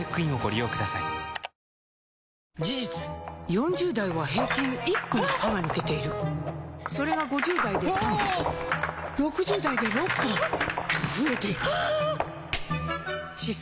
４０代は平均１本歯が抜けているそれが５０代で３本６０代で６本と増えていく歯槽